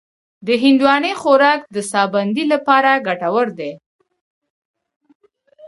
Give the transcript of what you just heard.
د هندواڼې خوراک د ساه بندۍ لپاره ګټور دی.